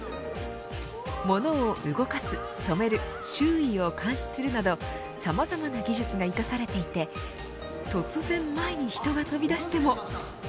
物を動かす、止める周囲を監視するなどさまざまな技術が生かされていて突然、前に人が飛び出しても。